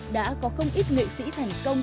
đã có không ít nghệ sĩ thành công